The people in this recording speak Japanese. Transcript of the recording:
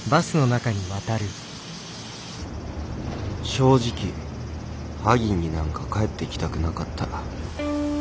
正直萩になんか帰ってきたくなかった。